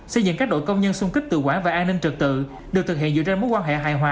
xây dựng các đội công nhân xung kích tự quản và an ninh trực tự được thực hiện dựa trên mối quan hệ hài hòa